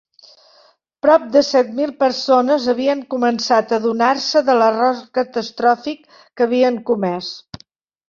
Prop de set mil persones havien començat a adonar-se de l'error catastròfic que havien comès.